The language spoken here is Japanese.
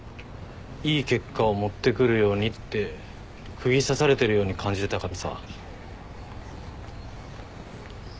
いい結果を持ってくるようにって釘刺されてるように感じてたからさ。